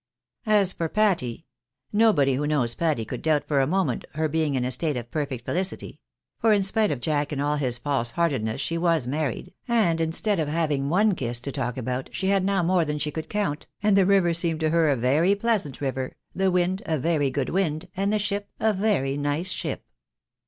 31 As for Patty — ^nobody who knows Patty could, doubt for a moment her being in a state of perfect fehcity ; for in spite of Jack and all his false heartedness she was married, and instead of having one kiss to talk about, she had now more than she could count, and the river seemed to her a very pleasant river, the wind, a very good wind, and the ship, a very nice ship.